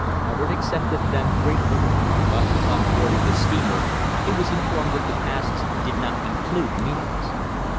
Hubbard accepted them gratefully, but upon boarding the steamer he was informed that the passes did not include meals.